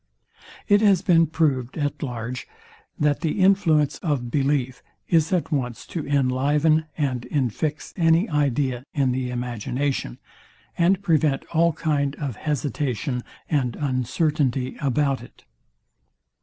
It has been proved at large, that the influence of belief is at once to inliven and infix any idea in the imagination, and prevent all kind of hesitation and uncertainty about it.